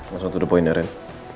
masuk ke depan ya ren